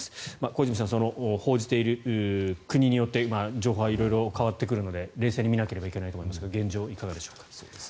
小泉さん、報じている国によって情報は色々変わってくるので冷静に見なければいけないと思いますが現状、どう思いますか。